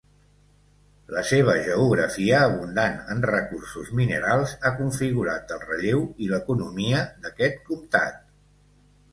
La seva geografia abundant en recursos minerals ha configurat el relleu i l'economia d'aquest comtat.